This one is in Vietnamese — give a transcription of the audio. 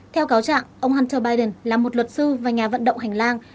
theo cáo trạng ông hunter biden là một luật sư và nhà vận động hành lang